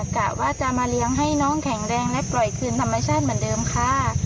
กะว่าจะมาเลี้ยงให้น้องแข็งแรงและปล่อยคืนธรรมชาติเหมือนเดิมค่ะ